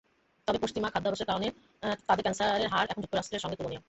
তবে পশ্চিমা খাদ্যাভ্যাসের কারণে তাদের ক্যানসারের হার এখন যুক্তরাষ্ট্রের সঙ্গে তুলনীয়।